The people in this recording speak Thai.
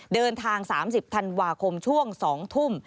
เดินทาง๓๐ธันวาคมช่วง๒ทุ่ม